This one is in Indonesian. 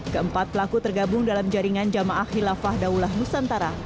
keempat pelaku tergabung dalam jaringan jamaah khilafah daulah nusantara